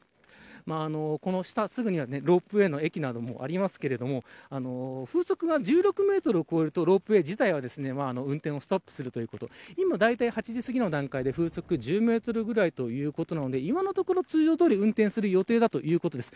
この下にはロープウエーの駅などもありますが風速が１６メートルを超えるとロープウエーは運転をストップするということで８時すぎの段階で風速１０メートルぐらいということで今のところ通常どおり運転する予定だということです。